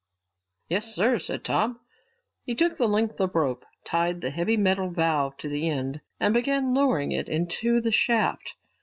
"Yes, sir," said Tom. He took the length of rope, tied the heavy metal valve to the end, and began lowering it into the shaft.